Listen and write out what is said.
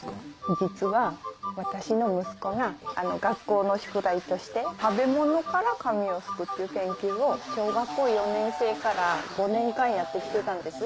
実は私の息子が学校の宿題として食べ物から紙を漉くっていう研究を小学校４年生から５年間やってきてたんです。